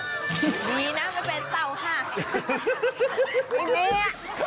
ดีนะไม่เป็นเต่าฮับ